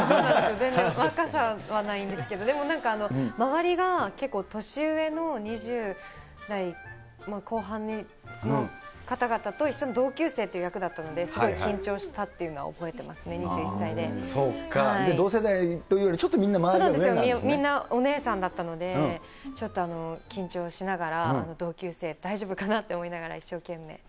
全然若さはないんですけど、でもなんか周りが結構年上の２０代後半の方々と一緒に同級生という役だったので、すごい緊張したっていうのは覚えてますね、そうか、同世代というよりちそうなんですよ、みんなお姉さんだったので、ちょっと緊張しながら、同級生大丈夫かなって思いながら一生懸命。